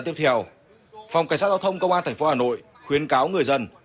phòng cảnh sát giao thông công an tp hà nội khuyến cáo người dân